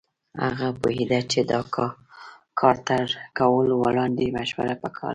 هغه پوهېده چې د کار تر کولو وړاندې مشوره پکار ده.